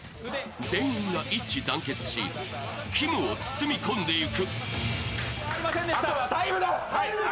全員が一致団結し、きむを包み込んでいく。